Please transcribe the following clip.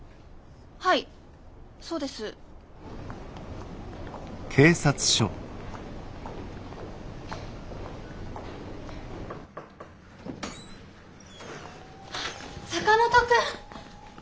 はいそうです。坂本君。